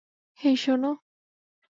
হেই, শোনো।